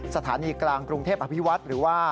สถานีกลางกรุงเทพอภิวัฒน์หรือว่า